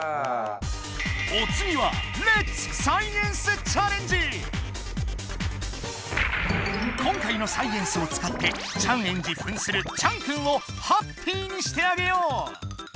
おつぎは今回のサイエンスをつかってチャンエンジふんする「チャンくん」をハッピーにしてあげよう！